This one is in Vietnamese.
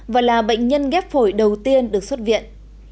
và là bệnh nhân ghép phổi đầu tiên được xuất viện